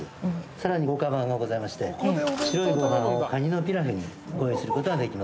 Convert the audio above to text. さらに豪華版がございまして白いご飯をカニのピラフにご用意することができます。